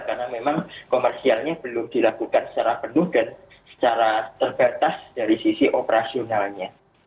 karena memang komersialnya belum dilakukan secara penuh dan secara terbatas dari sisi operasionalnya